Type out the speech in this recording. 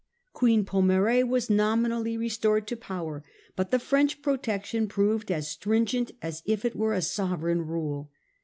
Queen Pomare was nominally restored to power, but the French protection proved as stringent as if it were a sovereign rule.